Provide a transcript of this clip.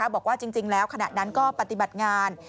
บอกว่าจริงแล้วขณะนั้นก็ปฏิบัติงาน